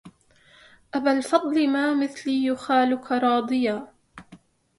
أبا الفضل ما مثلي يخالك راضيا